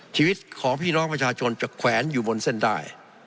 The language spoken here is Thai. ชีวิตของพี่น้องประชาชนจะแขวนอยู่บนเส้นได้